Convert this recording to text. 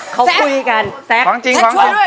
เค้าคุยกันแซ็คแซ็คกำลังมาแซ็คช่วยด้วย